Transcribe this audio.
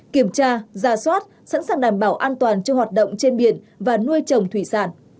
kiểm tra ra soát sẵn sàng đảm bảo an toàn cho hoạt động trên biển và nuôi trồng thủy sản